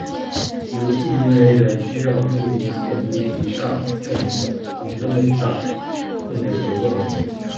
如进京人员需要出具县级以上证明等，从根本上控制流动人口。